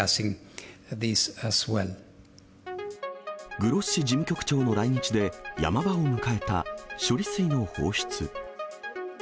グロッシ事務局長の来日で、ヤマ場を迎えた、処理水の放出。